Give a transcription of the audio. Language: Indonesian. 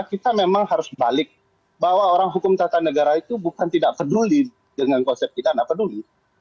kita memang harus balik bahwa orang hukum tata negara itu bukan tidak peduli dengan konsep tidak peduli